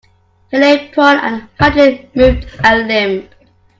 He lay prone and hardly moved a limb.